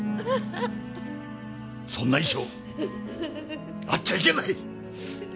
そんな遺書あっちゃいけない！